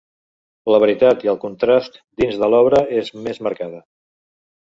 La varietat i el contrast dins de l'obra és més marcada.